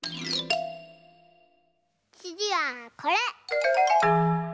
つぎはこれ！